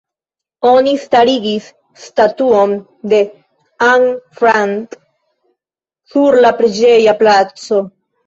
Oni starigis statuon de Anne Frank sur la preĝeja placo.